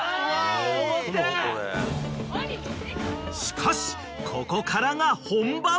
［しかしここからが本番］